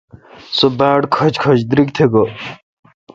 سو باڑکھچ کھچ دریگ تہ گوی۔